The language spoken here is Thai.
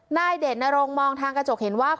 นายเดชนรงค์มองทางกระจกเห็นว่า